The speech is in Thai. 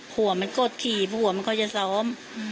หัวมันกดขี่หัวมันก็จะซ้อม